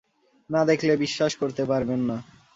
না দেখলে বিশ্বাস করতে পারবেন না।